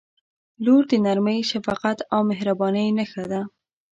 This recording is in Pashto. • لور د نرمۍ، شفقت او مهربانۍ نښه ده.